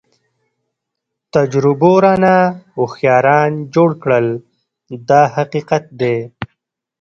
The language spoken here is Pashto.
تجربو رانه هوښیاران جوړ کړل دا حقیقت دی.